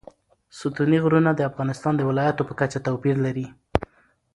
ستوني غرونه د افغانستان د ولایاتو په کچه توپیر لري.